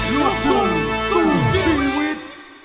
โน้ทกลมสู้ชีวิต